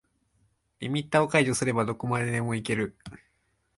リミッターを解除すればどこまでもいける